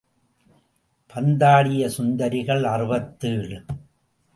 பந்தாடிய சுந்தரிகள் அறுபத்தேழு.